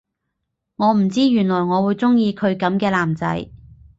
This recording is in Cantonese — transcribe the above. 我唔知原來我會鍾意佢噉嘅男仔